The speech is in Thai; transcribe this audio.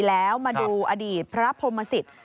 แล้วมาดูอดีตพระพรหมสิต